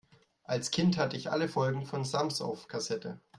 Als Kind hatte ich alle Folgen vom Sams auf Kassette.